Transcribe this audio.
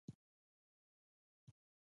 او موسسات هم تقویه شوي نه وې